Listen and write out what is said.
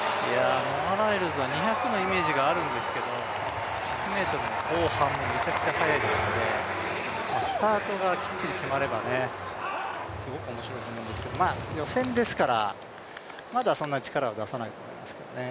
ノア・ライルズは２００のイメージがあるんですけど、１００ｍの後半もめちゃくちゃ速いですからスタートがきっちり決まればすごくおもしろいと思うんですけれども、予選ですから、まだそんなに力を出さないと思いますけどね。